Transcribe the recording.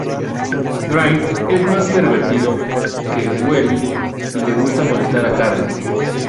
Brains es más pervertido que Wheelie, y le gusta molestar a Carly.